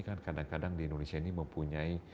kan kadang kadang di indonesia ini mempunyai